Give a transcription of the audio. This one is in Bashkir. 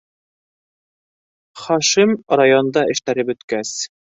Хашим, районда эштәре бөткәс.